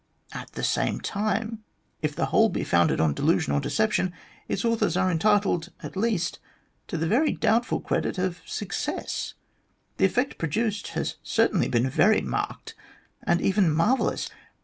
At the same time, if the whole be founded on delusion or deception, its authors are entitled, at least, to the very doubtful credit of success. The flfect produced has certainly been very marked, and even marvellous.